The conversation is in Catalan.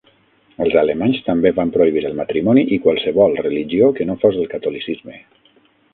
Els alemanys també van prohibir el matrimoni i qualsevol religió que no fos el catolicisme.